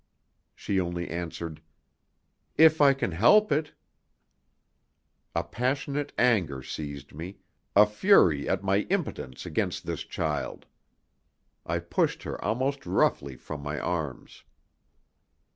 She only answered: "If I can help it." A passionate anger seized me, a fury at my impotence against this child. I pushed her almost roughly from my arms.